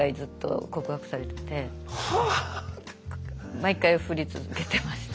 毎回振り続けてました。